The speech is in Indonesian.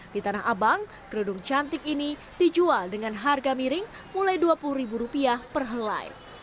di tanah abang kerudung cantik ini dijual dengan harga miring mulai rp dua puluh ribu rupiah per helai